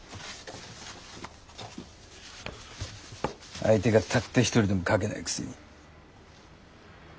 相手がたった一人でも書けないくせに。